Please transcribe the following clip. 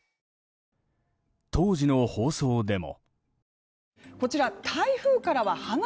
当時の放送でも。